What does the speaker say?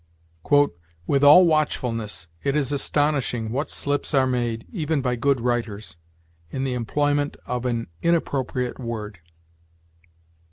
"With all watchfulness, it is astonishing what slips are made, even by good writers, in the employment of an inappropriate word.